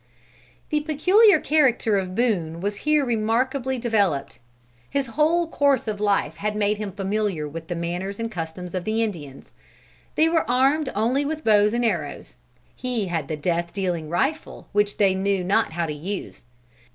The peculiar character of Boone was here remarkably developed. His whole course of life had made him familiar with the manners and customs of the Indians. They were armed only with bows and arrows. He had the death dealing rifle which they knew not how to use.